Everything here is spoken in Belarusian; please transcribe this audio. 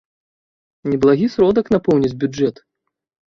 Неблагі сродак напоўніць бюджэт!